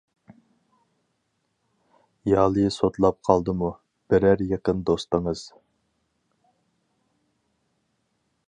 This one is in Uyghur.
يالى سوتلاپ قالدىمۇ، بېرەر يېقىن دوستىڭىز.